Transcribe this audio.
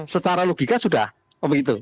secara logika sudah om itu